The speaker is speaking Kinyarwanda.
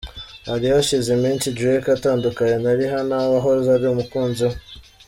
Hari hashize iminsi Drake atandukanye na Rihanna wahoze ari umukunzi we.